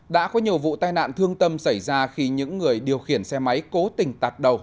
đã có nhiều vụ tai nạn thương tâm xảy ra khi những người điều khiển xe máy cố tình tạt đầu